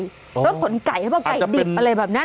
รถขนไก่ใช่ป่ะไก่ดิบอะไรแบบนั้นเนี่ย